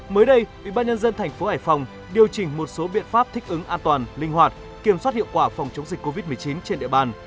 mới đây ubnd tp hải phòng điều chỉnh một số biện pháp thích ứng an toàn linh hoạt kiểm soát hiệu quả phòng chống dịch covid một mươi chín trên địa bàn